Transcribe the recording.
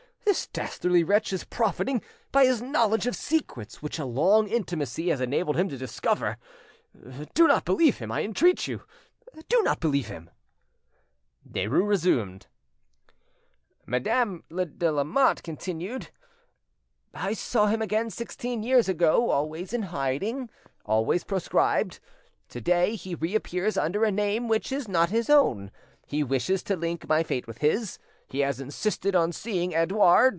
"Oh! this dastardly wretch is profiting by his knowledge of secrets which a long intimacy has enabled him to discover. Do not believe him, I entreat you, do not believe him!" Derues resumed. "Madame de Lamotte continued: 'I saw him again sixteen years ago, always in hiding, always proscribed. To day he reappears under a name which is not his own: he wishes to link my fate with his; he has insisted on seeing Edouard.